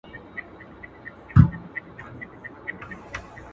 جمهوریت هم په لومړیو کې